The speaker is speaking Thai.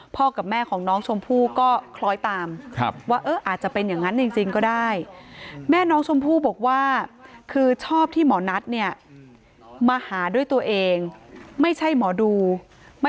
พ่อกับแม่ของน้องชมพู่ก็คล้อยตาม